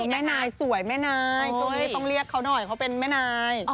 แม่นายสวยแม่นายช่วงนี้ต้องเรียกเขาหน่อยเขาเป็นแม่นาย